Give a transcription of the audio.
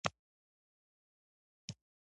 د عقل او خیال ګډ کار د انسان ځانګړنه ده.